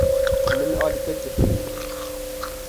Min alî te kir.